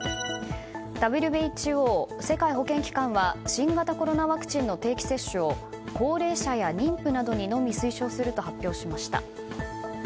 ＷＨＯ・世界保健機関は新型コロナワクチンの定期接種を高齢者や妊婦などにのみ推奨すると発表しました。